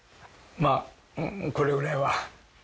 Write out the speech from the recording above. まぁこれくらいは。